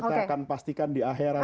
kita akan pastikan di akhirat